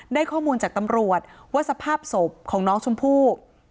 ได้ข้อมูลจากตำรวจว่าสภาพศพของน้องชมพู่